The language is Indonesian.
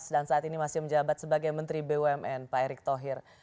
dan saat ini masih menjabat sebagai menteri bumn pak erick thohir